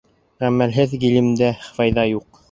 Ғәмәлһеҙ ғилемдә файҙа юҡ.